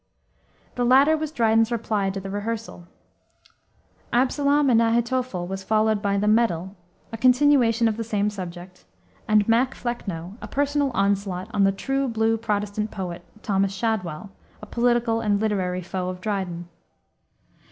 The latter was Dryden's reply to the Rehearsal. Absalom and Ahitophel was followed by the Medal, a continuation of the same subject, and Mac Flecknoe, a personal onslaught on the "true blue Protestant poet," Thomas Shadwell, a political and literary foe of Dryden.